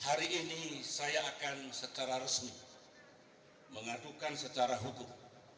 hari ini saya akan secara resmi mengadukan secara hukum